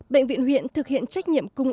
bệnh viện huyện thực hiện trách nhiệm cung cấp